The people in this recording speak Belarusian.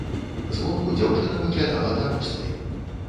Звонку дзяўчына выглядала дарослай.